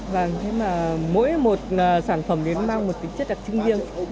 và mỗi một sản phẩm thì nó mang một tính chất đặc trưng riêng